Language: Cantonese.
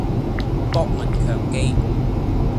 博聞強記